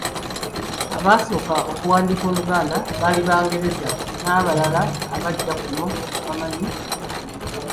Abaasooka okuwandiika Oluganda baali Bangereza n'abala abajja kuno nga bamanyi okuwandiika.